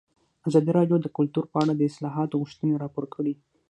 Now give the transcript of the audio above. ازادي راډیو د کلتور په اړه د اصلاحاتو غوښتنې راپور کړې.